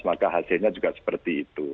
maka hasilnya juga seperti itu